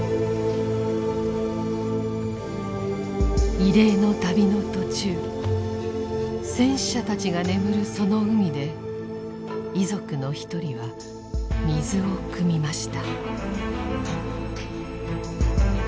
慰霊の旅の途中戦死者たちが眠るその海で遺族の一人は水をくみました。